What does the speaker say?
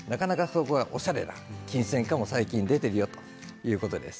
なかなかおしゃれなキンセンカも、最近出ているよということです。